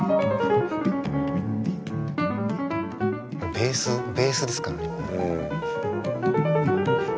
ベースベースですからね。